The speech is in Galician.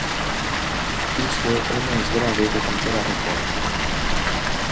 Iso é máis grave que calquera recorte.